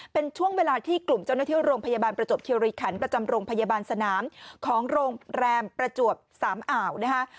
เป็นช่วงเวลาที่กลุ่มเจ้าหน้าที่โรงพยาบาลประจวบคิวริขันประจำโรงพยาบาลสนามของโรงแรมประจวบสามอ่าวนะคะ